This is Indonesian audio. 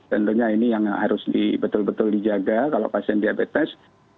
tentunya ini yang harus betul betul dijaga kalau pasien diabetes